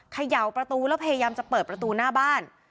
เขย่าประตูแล้วพยายามจะเปิดประตูหน้าบ้าน